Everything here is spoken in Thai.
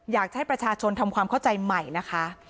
อยากให้ประชาชนทำความเข้าใจใหม่นะคะ